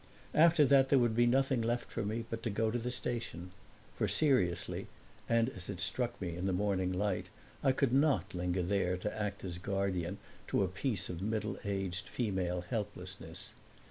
After that there would be nothing left for me but to go to the station; for seriously (and as it struck me in the morning light) I could not linger there to act as guardian to a piece of middle aged female helplessness.